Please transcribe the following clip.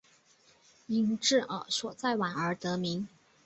因治所在宛而得名。